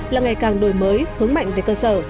là ngày càng đổi mới hướng mạnh về cơ sở